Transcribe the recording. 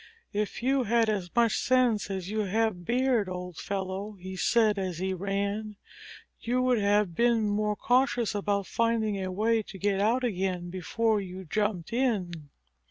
"If you had as much sense as you have beard, old fellow," he said as he ran, "you would have been more cautious about finding a way to get out again before you jumped in."